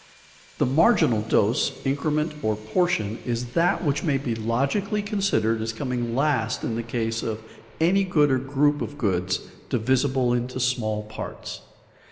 _ The marginal dose, increment, or portion is that which may be logically considered as coming last in the case of any good or group of goods divisible into small parts.